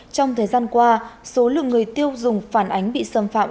trong thời gian qua số lượng người tiêu dùng phản ánh bị xâm phạm